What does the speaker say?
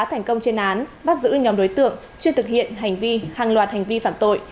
thành công chuyên án bắt giữ nhóm đối tượng chuyên thực hiện hành vi hàng loạt hành vi phạm tội